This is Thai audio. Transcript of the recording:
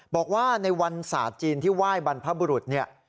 บอกว่าในวันศาสตร์จีนที่ไหว้บรรพบุรุษเนี่ย